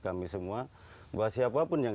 kami semua bahwa siapapun yang